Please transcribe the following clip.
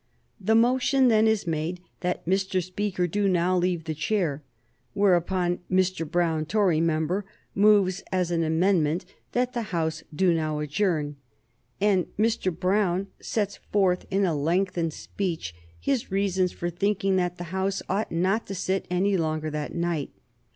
The motion then is made that Mr. Speaker do now leave the chair. Thereupon Mr. Brown, Tory member, moves as an amendment that the House do now adjourn, and Mr. Brown sets forth in a lengthened speech his reasons for thinking that the House ought not to sit any longer that night.